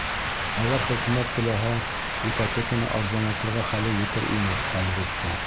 Әгәр Хөкүмәт теләһә, ипотеканы арзанайтырға хәле етер ине, әлбиттә.